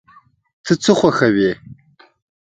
ته څه خوښوې؟